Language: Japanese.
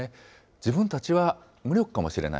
自分たちは無力かもしれない。